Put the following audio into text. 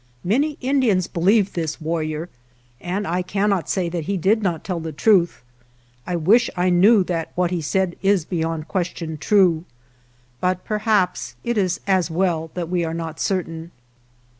Many Indians be lieved this warrior, and I cannot say that he did not tell the truth. I wish I knew that what he said is beyond question true. But perhaps it is as well that we are not certain.